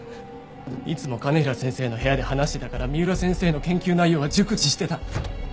いつも兼平先生の部屋で話してたから三浦先生の研究内容は熟知してた。